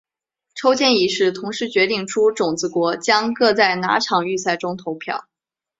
抽签仪式同时决定出种子国将各在哪场预赛中投票。